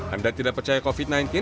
anda tidak percaya covid sembilan belas